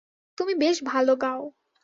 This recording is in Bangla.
তুমি বেশ ভালো গাও।